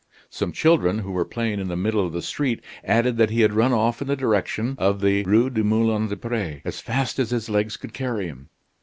Some children who were playing in the middle of the street added that he had run off in the direction of the Rue du Moulin des Pres as fast as his legs could carry him.